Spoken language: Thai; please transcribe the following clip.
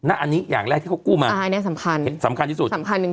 อันนี้อย่างแรกที่เขากู้มาสำคัญที่สุด